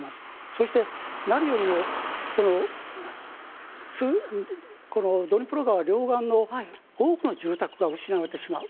そして、何よりもドニプロ川両岸多くの住宅が失われてしまう。